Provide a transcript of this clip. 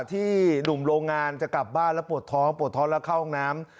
ที่หนุ่มโรงงานจะกลับบ้านแล้วปวดท้องปวดท้องแล้วเข้าห้องน้ำ